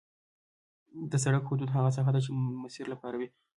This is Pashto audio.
د سرک حدود هغه ساحه ده چې د مسیر لپاره وي